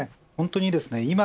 本当にいいですね。